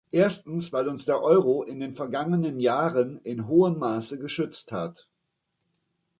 Erstens weil uns der Euro in den vergangenen Jahren in hohem Maße geschützt hat.